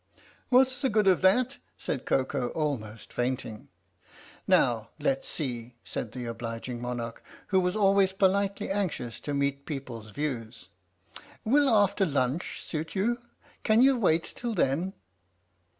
" What's the good of that?" said Koko, almost fainting. " Now let's see," said the obliging monarch, who was always politely anxious to meet people's views. " Will after lunch suit you ? Can you wait till then?"